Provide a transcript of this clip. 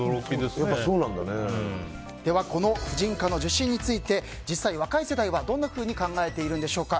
では、婦人科の受診について実際若い世代はどんなふうに考えているんでしょうか。